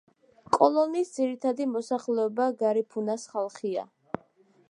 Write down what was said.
კოლონის ძირითადი მოსახლეობა გარიფუნას ხალხია.